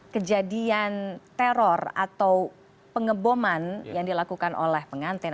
kejadian teror atau pengeboman yang dilakukan oleh pengantin